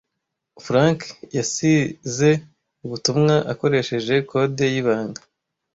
Frank yasize ubutumwa akoresheje kode y'ibanga.